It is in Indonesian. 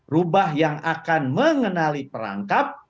rubah yang akan mengenali perangkap